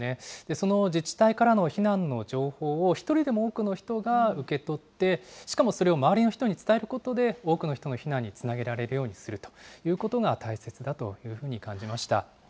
その自治体からの避難の情報を１人でも多くの人が受け取って、しかもそれを周りの人に伝えることで、多くの人の避難につなげられるようにするということが大切だというふうに感じました。